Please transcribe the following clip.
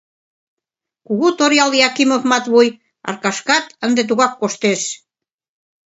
Кугу Торъял Якимов Матвуй Аркашкат ынде тыгак коштеш.